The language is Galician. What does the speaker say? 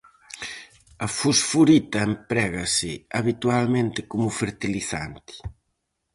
A fosforita emprégase habitualmente como fertilizante.